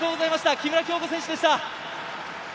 木村匡吾選手でした。